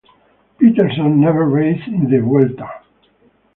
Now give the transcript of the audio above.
Pettersson never raced in the Vuelta.